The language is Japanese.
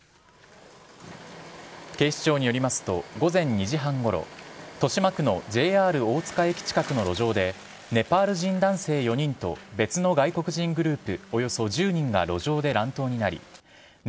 警視庁によりますと、午前２時半ごろ、豊島区のＪＲ大塚駅近くの路上で、ネパール人男性４人と別の外国人グループ